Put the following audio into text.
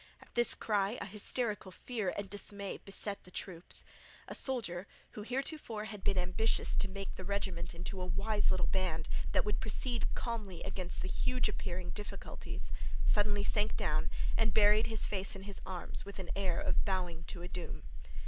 At this cry a hysterical fear and dismay beset the troops. A soldier, who heretofore had been ambitious to make the regiment into a wise little band that would proceed calmly amid the huge appearing difficulties, suddenly sank down and buried his face in his arms with an air of bowing to a doom.